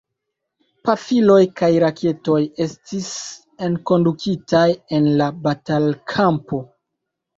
Pafiloj kaj raketoj estis enkondukitaj en la batalkampo.